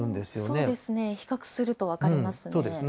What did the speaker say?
そうですね、比較すると分かりますね。